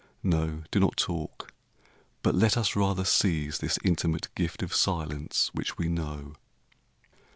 No, do not talk; but let us rather seize This intimate gift of silence which we know.